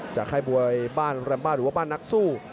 จากค่ายมวยบ้านรัมบ้าหรือบ้านนักสู้